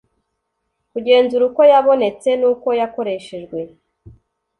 kugenzura uko yabonetse n’uko yakoreshejwe